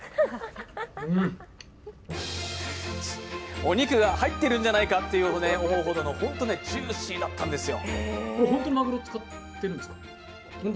お肉が入っているんじゃないかと思うほどの、本当にジューシーだったんですよ。